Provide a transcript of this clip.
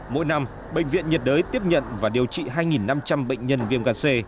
mỗi năm bệnh viện nhiệt đới tiếp nhận và điều trị hai năm trăm linh bệnh nhân viêm ga c